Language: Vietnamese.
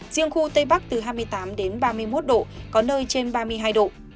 riêng khu tây bắc từ hai mươi tám đến ba mươi một độ có nơi trên ba mươi hai độ